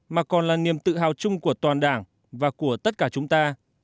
mà còn là niềm tự hào chung của toàn đảng và của tất cả chúng ta